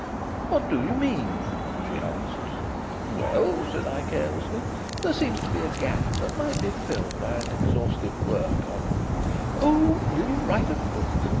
"What do you mean?" she asked. "Well," said I carelessly, "there seems a gap that might be filled by an exhaustive work on " "Oh! will you write a book?"